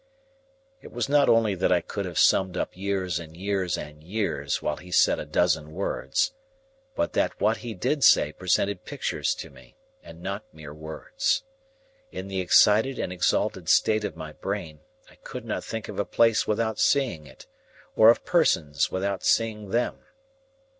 It was not only that I could have summed up years and years and years while he said a dozen words, but that what he did say presented pictures to me, and not mere words. In the excited and exalted state of my brain, I could not think of a place without seeing it, or of persons without seeing them.